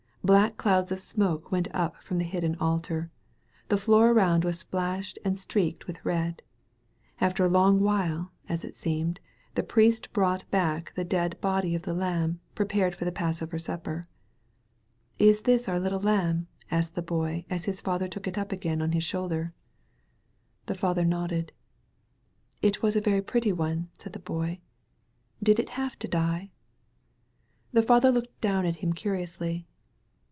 Black clouds of smoke went up from the hidden altar; the floor around was splashed and streaked with red. After a long while, as it seemed, the priest brought back the dead body of the lamb, prepared for the, Pass over supper. ''Is this our little lamb?" asked the Boy as his father took it again upon his shoulder. «72 THE BOY OF NAZARETH DREAMS The father nodded. "It was a very pretty one," said the Boy. "Did it have to die?" The father looked down at him. curiously.